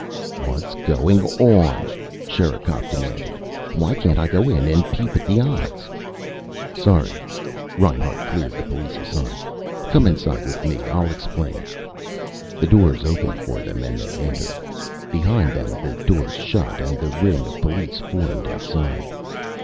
"What's going on?" Sherikov demanded. "Why can't I go in and peep at the odds?" "Sorry." Reinhart cleared the police aside. "Come inside with me. I'll explain." The doors opened for them and they entered. Behind them the doors shut and the ring of police formed outside.